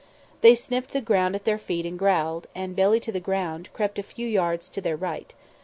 They sniffed the ground at their feet and growled and, belly to the ground, crept a few yards to their right.